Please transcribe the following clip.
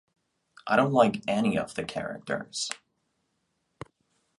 I don't like any of the characters.